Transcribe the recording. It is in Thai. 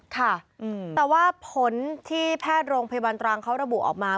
ค่ะแต่ว่าผลที่แพทย์โรงพยาบาลตรังเขาระบุออกมา